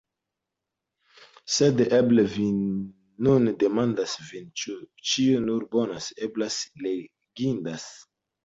Sed eble vi nun demandas vin, ĉu ĉio nur bonas, belas, legindas.